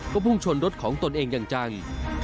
ก็พุ่งชนรถของตนเองอย่างจัง